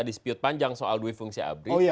di spiut panjang soal duifungsi abri